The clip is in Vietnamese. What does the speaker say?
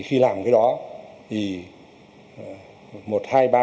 khi làm cái đó thì